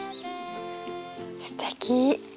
すてき。